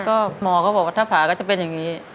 ก็หมอก็บอกว่าถ้าผ่าก็จะเป็นอย่างนี้